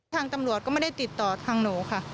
ทางตำรวจก็ไม่ได้ติดต่อทางหนูค่ะ